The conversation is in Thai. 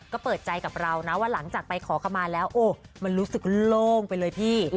ก็เปิดใจกับเรานะว่าหลังจากไปขอขมาแล้วโอ้มันรู้สึกโล่งไปเลยพี่